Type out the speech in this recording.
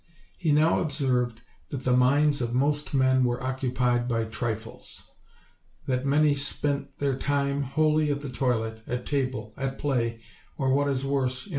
He now observed that the minds of most men were occupied by trifles; that many spent their time wholly at the toilet, at table, at play, or, what is worse, in 166 OLD, OLD FAIRY TALES.